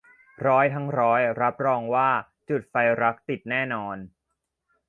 ร้อยทั้งร้อยรับรองว่าจุดไฟรักติดแน่นอน